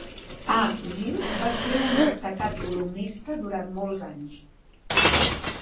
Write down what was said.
A. Gill va ser un destacat columnista durant molts anys.